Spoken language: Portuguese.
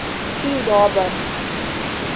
Pindoba